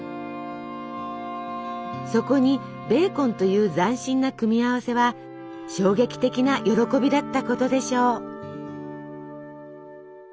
そこにベーコンという斬新な組み合わせは衝撃的な喜びだったことでしょう。